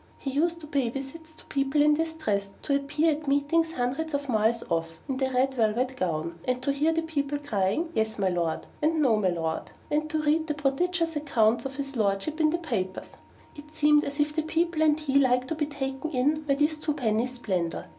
He used to pay visits to people in this dress; to appear at meetings hundreds of miles off, in the red velvet gown. And to hear the people crying 'Yes, me Lard!' and 'No, me Lard!' and to read the prodigious accounts of his Lordship in the papers: it seemed as if the people and he liked to be taken in by this twopenny splendour.